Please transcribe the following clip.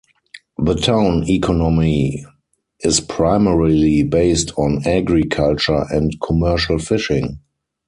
The town economy is primarily based on agriculture and commercial fishing.